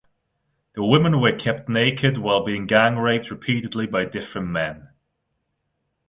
The women were kept naked while being gang raped repeatedly by different men.